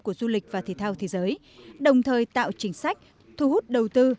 của du lịch và thể thao thế giới đồng thời tạo chính sách thu hút đầu tư